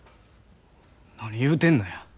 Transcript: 何言うてんのや。